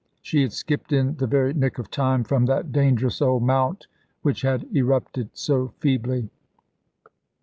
She had skipped in the very nick of time from that dangerous old mount which had erupted so feebly.